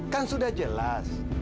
kan sudah jelas